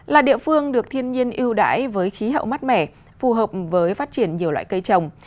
là địa phương được thiên nhiên yêu đái với khí hậu mát mẻ phù hợp với phát triển nhiều loại cây trồng